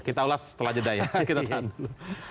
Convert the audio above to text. kita ulas setelah jeda ya kita tahan dulu